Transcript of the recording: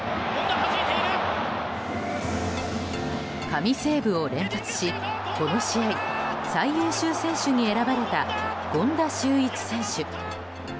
神セーブを連発しこの試合、最優秀選手に選ばれた権田修一選手。